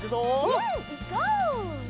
うんいこう！